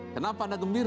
kenapa anda gembira